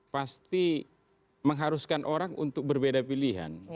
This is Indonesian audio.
pasti mengharuskan orang untuk berbeda pilihan